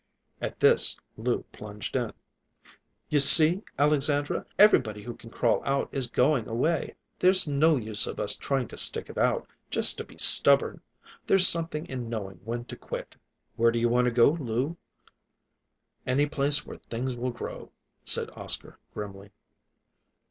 At this Lou plunged in. "You see, Alexandra, everybody who can crawl out is going away. There's no use of us trying to stick it out, just to be stubborn. There's something in knowing when to quit." "Where do you want to go, Lou?" "Any place where things will grow," said Oscar grimly.